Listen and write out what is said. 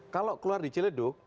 kalau keluar di ciledug